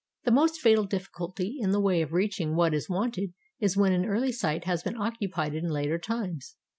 The most fatal difficulty in the way of reaching what is wanted is when an early site has been occupied in later times.